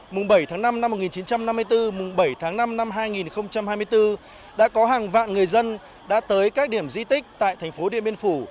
mùng bảy tháng năm năm một nghìn chín trăm năm mươi bốn mùng bảy tháng năm năm hai nghìn hai mươi bốn đã có hàng vạn người dân đã tới các điểm di tích tại thành phố điện biên phủ